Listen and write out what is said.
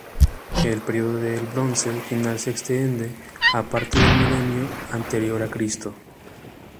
El periodo del Bronce final se extiende a parte del milenio anterior a Cristo.